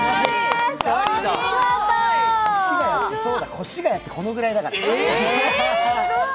越谷って、このぐらいだから。